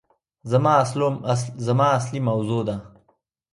زما اصلي موضوع ده